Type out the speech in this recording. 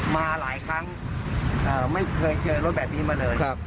มาหลายครั้งไม่เคยเจอรถแบบนี้มาเลย